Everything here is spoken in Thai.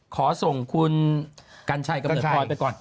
ขอส่งคุณกัญชัยกำเนิดพลอยไปก่อน